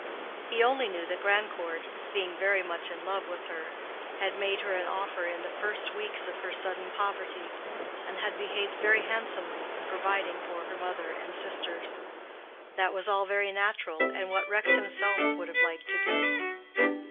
He only knew that Grandcourt, being very much in love with her, had made her an offer in the first weeks of her sudden poverty, and had behaved very handsomely in providing for her mother and sisters. That was all very natural and what Rex himself would have liked to do.